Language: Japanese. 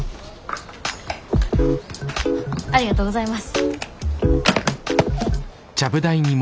ありがとうございます。